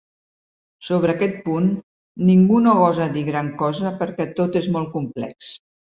Sobre aquest punt, ningú no gosa dir gran cosa perquè tot és molt complex.